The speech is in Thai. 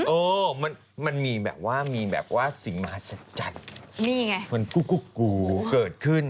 โอ้มันมีแบบว่ามีแบบว่าสิงหมาศจรรย์มันกู้กู้กู้เกิดขึ้น